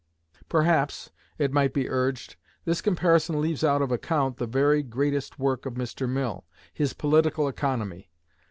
Perhaps, it might be urged, this comparison leaves out of account the very greatest work of Mr. Mill, his 'Political Economy.'